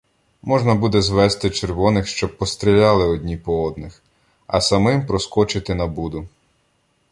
Можна буде звести червоних, щоб постріляли одні по одних, а самим проскочити на Буду.